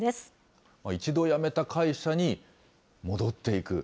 一度辞めた会社に戻っていく。